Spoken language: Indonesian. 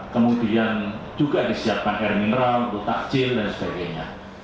kemudian juga disiapkan air mineral untuk takjil dan sebagainya